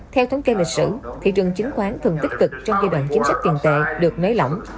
theo thống kê lịch sử thị trường chứng khoán thường tích cực trong giai đoạn chính sách tiền tệ được nới lỏng